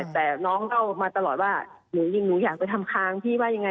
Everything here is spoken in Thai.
แต่น้องเขามาตลอดว่าเฮ่ยหนูอยากทำทางว่าอย่างไร